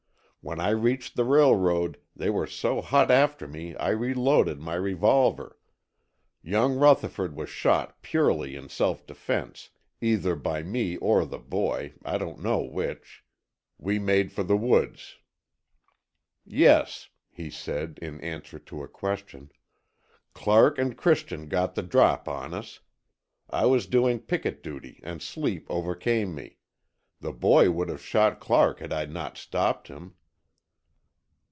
When I reached the railroad they were so hot after me I reloaded my revolver. Young Rutherford was shot purely in self defense, either by me or the boy, I don't know which. We made for the woods." "Yes," he said, in answer to a question, "Clark and Christian got the drop on us. I was doing picket duty and sleep overcame me. The boy would have shot Clark had I not stopped him."